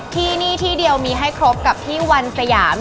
ที่นี่ที่เดียวมีให้ครบกับที่วันสยาม